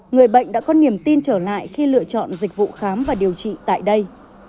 người bệnh đã có niềm tin trở lại khi lựa chọn dịch vụ khám và điều trị tại đây